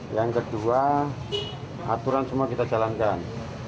yang kedua aturan semua kita jalankan